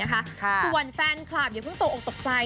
ส่วนแฟนคลับเดี๋ยวเพิ่งโตให้ตกใจ